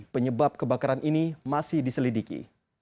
penyebab kebakaran ini masih diselidiki